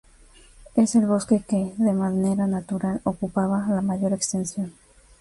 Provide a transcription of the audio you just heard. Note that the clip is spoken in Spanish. Es el bosque que, de manera natural, ocupaba la mayor extensión.